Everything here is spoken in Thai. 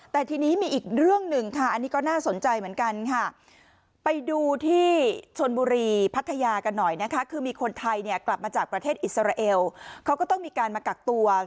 แต่ทีนี้มีอีกเรื่องหนึ่งค่ะอันนี้ก็น่าสนใจเหมือนกันค่ะไปดูที่ชนบุรีพัทยากันหน่อยนะคะคือมีคนไทยเนี่ยกลับมาจากประเทศอิสราเอลเขาก็ต้องมีการมากักตัว